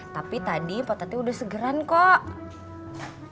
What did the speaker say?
tapi tadi mpok tati udah segeran kok